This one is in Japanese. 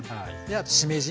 あとしめじ。